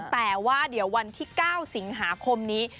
แต่ว่าวันที่๙สิงหาคมนี้